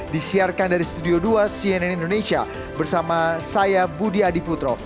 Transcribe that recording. disiarkan dari studio dua cnn indonesia bersama saya budi adiputro